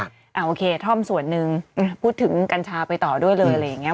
โอเคท่อมส่วนหนึ่งพูดถึงกัญชาไปต่อด้วยเลยอะไรอย่างนี้